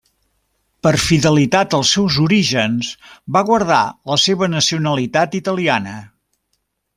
Per fidelitat als seus orígens, va guardar la seva nacionalitat italiana.